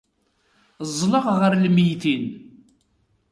Ẓẓleɣ gar lmeyytin.